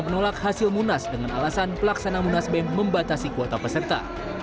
menolak hasil munas dengan alasan pelaksanaan munasbem membatasi kuota peserta